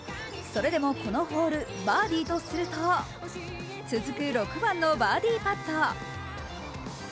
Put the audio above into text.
それでもこのホール、バーディーとすると、続く６番のバーディーパット。